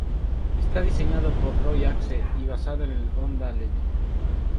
Está diseñado por Roy Axe y basado en el Honda Legend.